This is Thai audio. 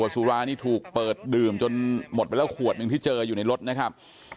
สุรานี่ถูกเปิดดื่มจนหมดไปแล้วขวดหนึ่งที่เจออยู่ในรถนะครับ